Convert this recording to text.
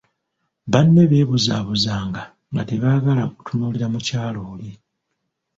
Banne beebuzabuzanga nga tebaagala kutunuulira mukyala oli.